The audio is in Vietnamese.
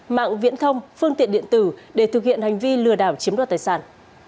mạng viễn thông phương tiện điện tử để thực hiện hành vi lừa đảo chiếm đoạt tài sản